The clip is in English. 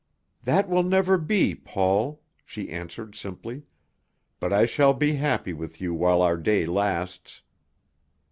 "That will never be, Paul," she answered simply. "But I shall be happy with you while our day lasts."